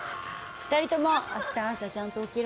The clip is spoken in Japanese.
２人とも明日朝ちゃんと起きるんだよ。